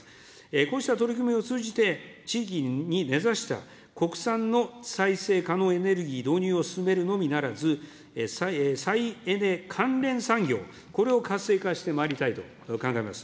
こうした取り組みを通じて、地域に根ざした国産の再生可能エネルギー導入を進めるのみならず、再エネ関連産業、これを活性化してまいりたいと考えます。